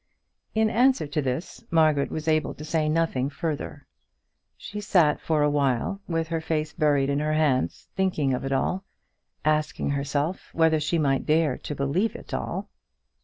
In answer to this, Margaret was able to say nothing further. She sat for a while with her face buried in her hands thinking of it all, asking herself whether she might dare to believe it all.